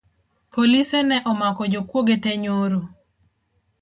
Polise ne omako jokwoge tee nyoro